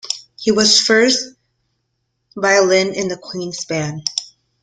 He was first violin in the Queen's Band.